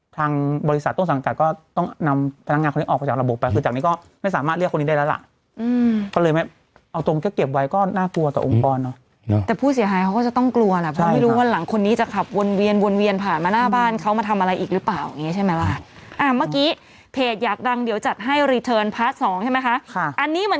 ดีเรือดำน้ำมันยังปูดขึ้นมาใช่ไหมล่ะอันนี้ซื้อแล้วเดี๋ยวมาแล้ว